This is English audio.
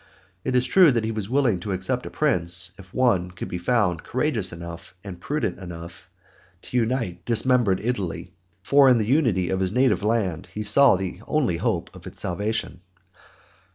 It is true that he was willing to accept a prince, if one could be found courageous enough and prudent enough to unite dismembered Italy, for in the unity of his native land he saw the only hope of its salvation.